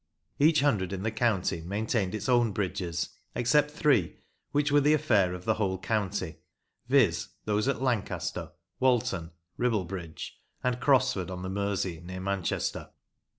Each Hundred in the county maintained its own bridges, except three, which were the affair of the whole county, viz., those at Lancaster, Walton (Ribble Bridge), and Crosford, on the Mersey, near Manchester.